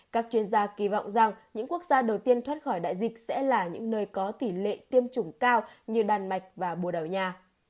các chuyên gia kỳ vọng rằng những quốc gia đầu tiên thoát khỏi đại dịch sẽ là những nơi có tỷ lệ tiêm chủng cao như đan mạch và bồ đào nha